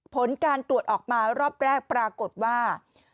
ผลการตรวจออกมารอบแรกปรากฏว่า